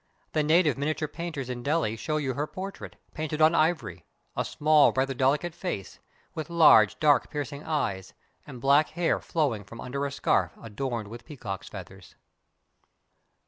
The native miniature painters in Delhi show you her portrait, painted on I20 THE TAJ MAHAL ivory, — a small, rather delicate face, with large, dark piercing eyes, and black hair flowing from under a scarf adorned with peacock's feathers.